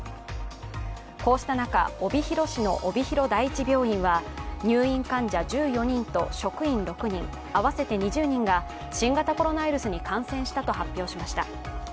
こうした中、帯広市の帯広第一病院は入院患者１４人と職員６人、合わせて２０人が新型コロナウイルスに感染したと発表しました。